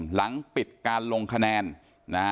หลังปิดการลงคะแนน